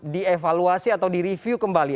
dievaluasi atau direview kembali